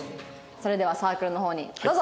それではサークルの方にどうぞ。